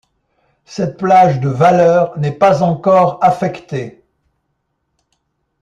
Cette plage de valeurs n'est pas encore affectée.